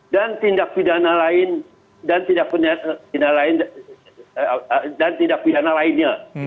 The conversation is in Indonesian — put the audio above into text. dan tindak pidana lainnya